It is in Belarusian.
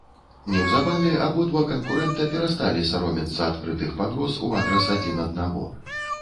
Неўзабаве абодва канкурэнта перасталі саромецца адкрытых пагроз у адрас адзін аднаго.